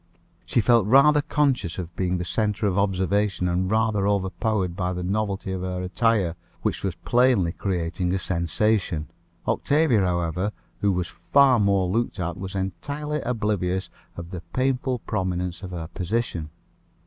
She felt terribly conscious of being the centre of observation, and rather overpowered by the novelty of her attire, which was plainly creating a sensation. Octavia, however, who was far more looked at, was entirely oblivious of the painful prominence of her position.